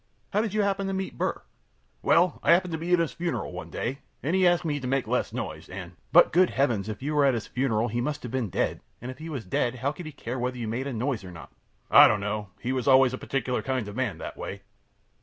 How did you happen to meet Burr? A. Well, I happened to be at his funeral one day, and he asked me to make less noise, and Q. But, good heavens! if you were at his funeral, he must have been dead, and if he was dead how could he care whether you made a noise or not? A. I don't know. He was always a particular kind of a man that way.